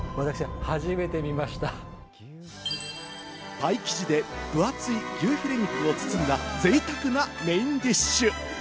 パイ生地で分厚い牛フィレ肉を包んだぜいたくなメインディッシュ。